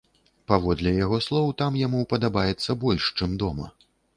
Паводле яго слоў, там яму падабаецца больш, чым дома.